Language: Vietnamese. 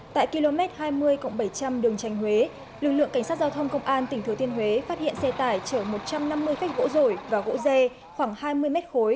tại km hai mươi bảy trăm linh đường trành huế lực lượng cảnh sát giao thông công an tỉnh thừa thiên huế phát hiện xe tải chở một trăm năm mươi khách gỗ rổi và gỗ dê khoảng hai mươi m ba